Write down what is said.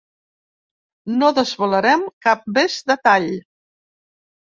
No desvelarem cap més detall.